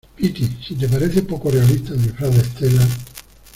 piti, si te parece poco realista el disfraz de Estela